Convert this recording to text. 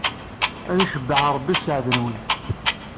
Ad icebbeḥ Ṛebbi sseɛd-nwent.